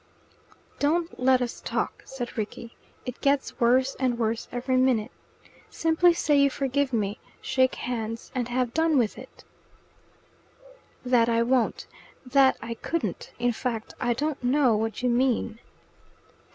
"Don't let us talk," said Rickie. "It gets worse every minute. Simply say you forgive me; shake hands, and have done with it." "That I won't. That I couldn't. In fact, I don't know what you mean."